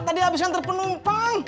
tadi abiskan terpenuh pak